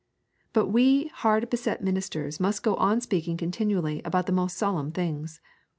But we hard bested ministers must go on speaking continually about the most solemn things.